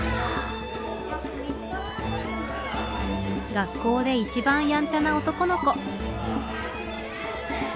学校で一番やんちゃな男の子。